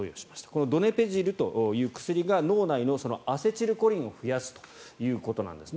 このドネペジルという薬が脳内のアセチルコリンを増やすということです。